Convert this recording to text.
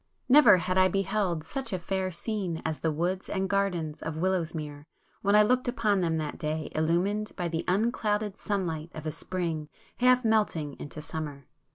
Never had I beheld such a fair scene as the woods and gardens of Willowsmere when I looked upon them that day illumined by the unclouded sunlight of a spring half melting into summer.